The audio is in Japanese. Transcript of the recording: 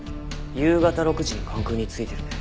夕方６時に関空に着いてるね。